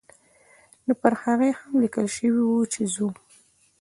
نو پر هغې هم لیکل شوي وو چې ځو.